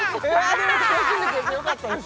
でも楽しんでくれてよかったです